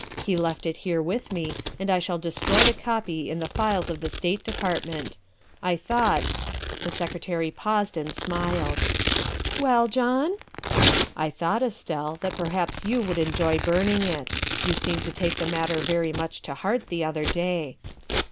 He left it here with me, and I shall destroy the copy in the files of the State Department. I thought The Secretary paused and smiled. "Well, John?" " I thought, Estelle, that perhaps you would enjoy burning it. You seemed to take the matter very much to heart the other day.